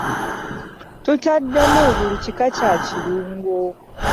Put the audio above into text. Tutaddemu buli kika kya kirungo.